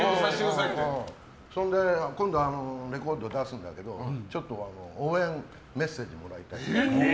それで、今度レコード出すんだけどちょっと応援メッセージもらいたいって。